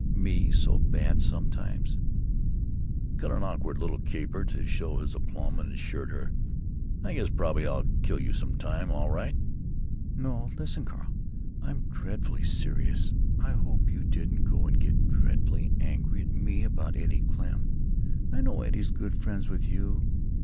Me so bad sometimes." He cut an awkward little caper to show his aplomb, and assured her, "I guess probably I'll kill you some time, all right." "No, listen, Carl; I'm dreadfully serious. I hope you didn't go and get dreadfully angry at me about Eddie Klemm. I know Eddie 's good friends with you.